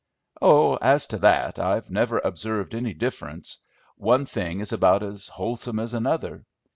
"Oh, as to that, I've never observed any difference; one thing is about as wholesome as another.